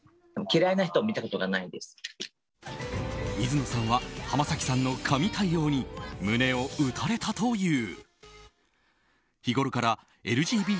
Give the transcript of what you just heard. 水野さんは浜崎さんの神対応に胸を打たれたという。